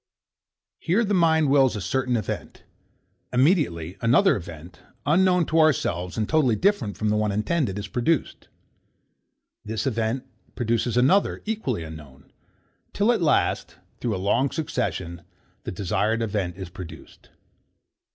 Here the mind wills a certain event: Immediately another event, unknown to ourselves, and totally different from the one intended, is produced: This event produces another, equally unknown: Till at last, through a long succession, the desired event is produced.